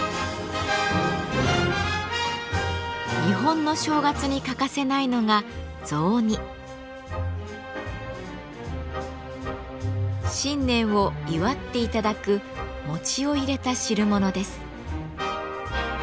日本の正月に欠かせないのが新年を祝っていただく餅を入れた汁物です。